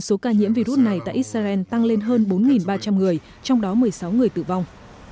số ca nhiễm virus này tại israel tăng lên hơn bốn ba trăm linh người trong đó một mươi sáu người tử vong